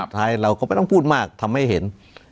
ท้ายเราก็ไม่ต้องพูดมากทำให้เห็น